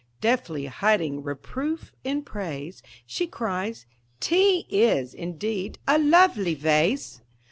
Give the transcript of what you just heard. Deftly hiding reproof in praise, She cries: "'T is, indeed, a lovely vaze!"